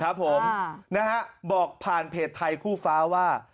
ครับผมนะฮะบอกผ่านเพจไทยคู่ฟ้าว่า